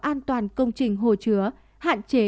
an toàn công trình hồ chứa hạn chế